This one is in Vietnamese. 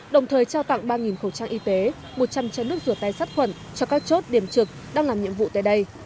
đồng thời trao tặng ba khẩu trang y tế một trăm linh chai nước rửa tay sát khuẩn cho các chốt điểm trực đang làm nhiệm vụ tại đây